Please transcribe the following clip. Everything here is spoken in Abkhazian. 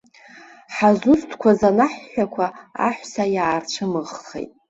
Ҳазусҭқәаз анаҳҳәақәа аҳәса иаарцәымыӷхеит.